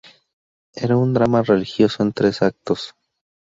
Era un drama religioso en tres actos.